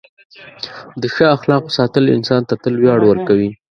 د ښه اخلاقو ساتل انسان ته تل ویاړ ورکوي.